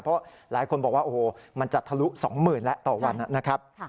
เพราะหลายคนบอกว่าโอ้โหมันจะทะลุ๒๐๐๐แล้วต่อวันนะครับ